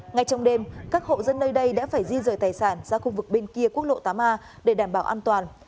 ngay trong đêm các hộ dân nơi đây đã phải di rời tài sản ra khu vực bên kia quốc lộ tám a để đảm bảo an toàn